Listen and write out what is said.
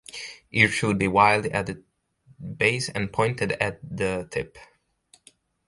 Ears should be wide at the base and pointed at the tip.